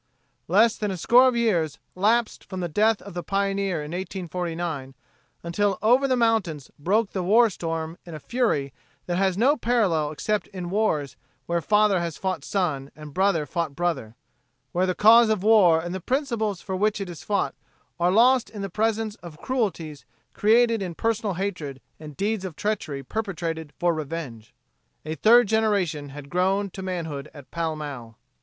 Less than a score of years lapsed from the death of the pioneer in 1849 until over the mountains broke the warstorm in a fury that has no parallel except in wars where father has fought son, and brother fought brother; where the cause of war and the principles for which it is fought are lost in the presence of cruelties created in personal hatred and deeds of treachery perpetrated for revenge. A third generation had grown to manhood at Pall Mall.